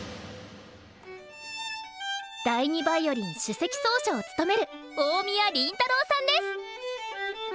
第２ヴァイオリン首席奏者を務める大宮臨太郎さんです。